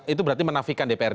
itu berarti menafikan dprd